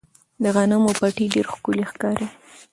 د غنمو پټي ډېر ښکلي ښکاري.